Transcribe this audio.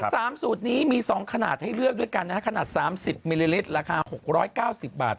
สามสูตรนี้มี๒ขนาดให้เลือกด้วยกันนะฮะขนาด๓๐มิลลิลิตรราคา๖๙๐บาท